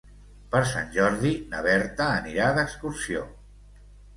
Per Sant Jordi na Berta anirà d'excursió.